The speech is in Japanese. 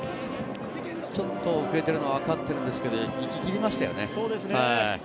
ちょっと遅れてるのは分かってるんですけれど、行き切りましたよね。